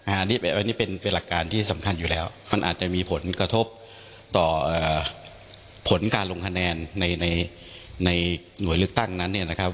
อันนี้เป็นหลักการที่สำคัญอยู่แล้วมันอาจจะมีผลกระทบต่อผลการลงคะแนนในหน่วยเลือกตั้งนั้นเนี่ยนะครับ